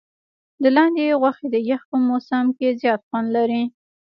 د لاندي غوښي د یخ په موسم کي زیات خوند لري.